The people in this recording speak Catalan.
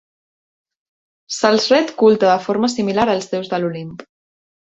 Se'ls ret culte de forma similar als deus de l'Olimp.